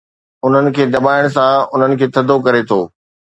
. انهن کي دٻائڻ سان انهن کي ٿڌو ڪري ٿو.